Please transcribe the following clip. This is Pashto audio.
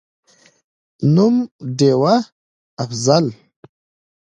نوم: ډېوه«افضل»